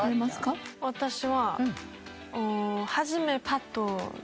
私は。